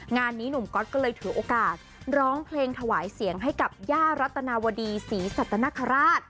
งานนี้หนุ่มก๊อตก็เลยถือโอกาสร้องเพลงถวายเสียงให้กับย่ารัตนาวดีศรีสัตนคราช